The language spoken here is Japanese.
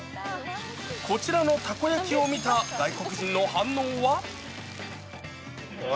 こちらのたこ焼きを見た外国人の反応は。